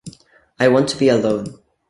I want to be alone.